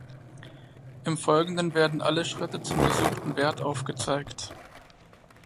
Im Folgenden werden alle Schritte zum gesuchten Wert aufgezeigt.